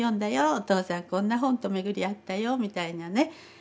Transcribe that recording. お父さんこんな本と巡り合ったよみたいなね